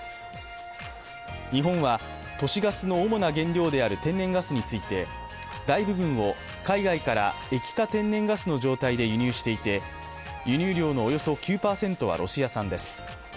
日本は都市ガスの主な原料である天然ガスについて大部分を海外から液化天然ガスの状態で輸入していて輸入量のおよそ９％はロシア産です